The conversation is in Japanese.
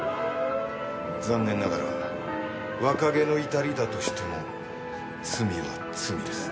残念ながら若気の至りだとしても罪は罪です。